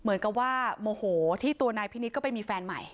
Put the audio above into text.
เหมือนกับว่าโมโหที่ตัวนายพินิศก็ไปมีแฟนใหม่